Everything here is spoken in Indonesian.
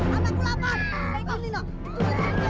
tidak ada mana kelapanya